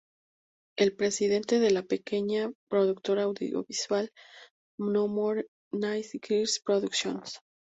Es presidenta de la pequeña productora audiovisual No More Nice Girls Productions.